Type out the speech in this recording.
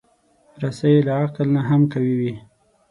رسۍ له عقل نه هم قوي وي.